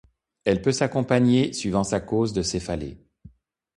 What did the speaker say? Elle peut s'accompagner, suivant sa cause de céphalées.